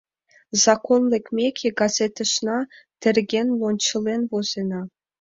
Закон лекмеке, газетешна терген, лончылен возена.